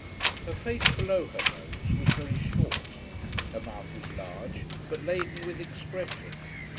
Her face below her nose was very short. Her mouth was large, but laden with expression.